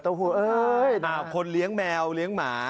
ใช่ไหมครับนี่เต้าหู้คนเลี้ยงแมวเลี้ยงหมา